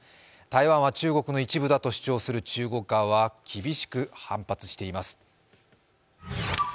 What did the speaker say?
台湾は中国の一部だと主張する中国側は厳しく反発しています。